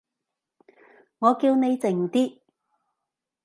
我叫你靜啲